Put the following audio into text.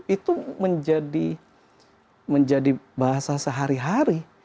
itu menjadi bahasa sehari hari